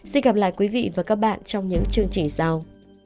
xin gặp lại quý vị và các bạn trong những chương trình sau